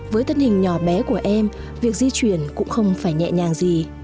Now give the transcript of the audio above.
với thân hình nhỏ bé của em việc di chuyển cũng không phải nhẹ nhàng gì